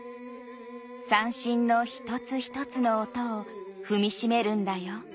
「三線の一つ一つの音を踏みしめるんだよ」